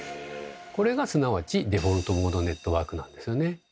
これがすなわちデフォルトモードネットワークなんですよね。